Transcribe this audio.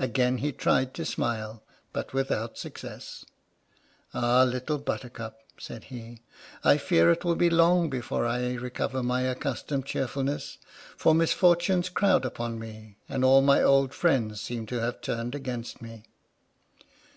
Again he tried to smile, but without success. "Ah, Little Buttercup," said he, "I fear it will be long before I recover my accustomed cheerful ness, for misfortunes crowd upon me, and all my old friends seem to have turned against me!